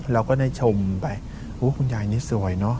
เราก็ได้ชมไปคุณยายนี่สวยเนอะ